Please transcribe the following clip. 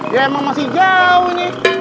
ya emang masih jauh ini